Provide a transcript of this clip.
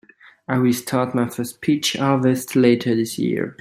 I'll start my first peach harvest later this year.